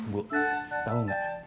bu tau gak